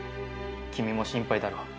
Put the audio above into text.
君も心配だろう。